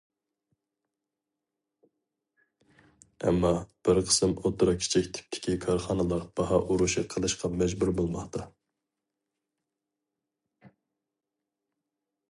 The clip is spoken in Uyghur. ئەمما، بىر قىسىم ئوتتۇرا- كىچىك تىپتىكى كارخانىلار باھا ئۇرۇشى قىلىشقا مەجبۇر بولماقتا.